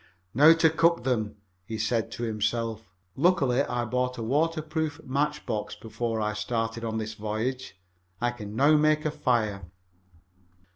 "Now to cook them," he said to himself. "Lucky I bought a water proof match box before I started on this voyage. I can now make a fire."